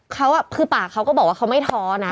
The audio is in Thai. เขาคือปากเขาก็บอกว่าเขาไม่ท้อนะ